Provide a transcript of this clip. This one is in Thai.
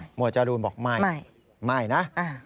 วดจรูนบอกไม่ไม่นะ